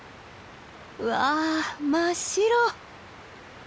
うわ真っ白！